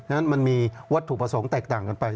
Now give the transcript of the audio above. ฉะนั้นมันมีวัตถุประสงค์แตกต่างกันไป